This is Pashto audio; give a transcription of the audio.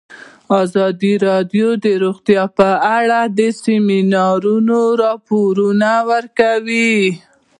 ازادي راډیو د روغتیا په اړه د سیمینارونو راپورونه ورکړي.